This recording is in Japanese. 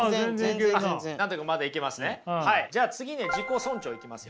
じゃあ次ね自己尊重いきますよ。